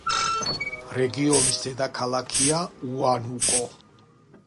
რეგიონის დედაქალაქია უანუკო.